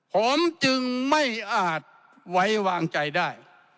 ผมจึงไม่อาจไว้วางใจได้